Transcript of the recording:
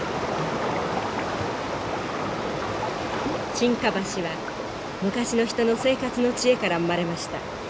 沈下橋は昔の人の生活の知恵から生まれました。